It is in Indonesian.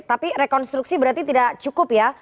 tapi rekonstruksi berarti tidak cukup ya